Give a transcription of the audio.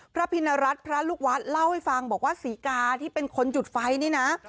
พระพิณรัฐพระลูกวัดเล่าให้ฟังบอกว่าศรีกาที่เป็นคนจุดไฟนี่นะ